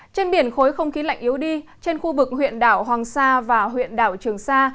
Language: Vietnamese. trên biển khối không khí lạnh yếu đi trên khu vực huyện đảo hoàng sa và huyện đảo trường sa